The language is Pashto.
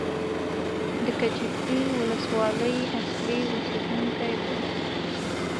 د کجکي ولسوالۍ اصلي اوسېدونکی دی.